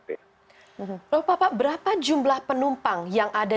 berapa jumlah penumpang yang ada